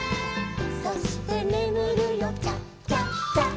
「そしてねむるよチャチャチャ」